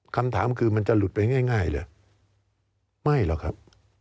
คำถามคือมันจะหลุดไปง่ายเหรอไม่หรอกครับ